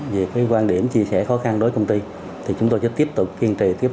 về quan điểm chia sẻ khó khăn đối với công ty thì chúng tôi sẽ tiếp tục kiên trì